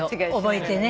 覚えてね。